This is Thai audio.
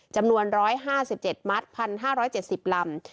จำนวน๑๕๗มัตต์๑๕๗๐ลำ